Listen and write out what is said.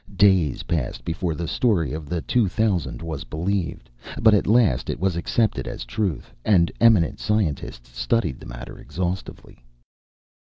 Days passed before the story of the two thousand was believed, but at last it was accepted as truth, and eminent scientists studied the matter exhaustively.